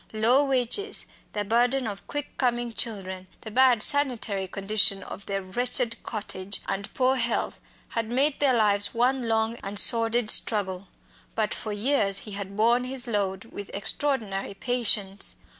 Low wages, the burden of quick coming children, the bad sanitary conditions of their wretched cottage, and poor health, had made their lives one long and sordid struggle. But for years he had borne his load with extraordinary patience.